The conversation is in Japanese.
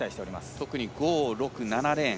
特に５、６、７レーン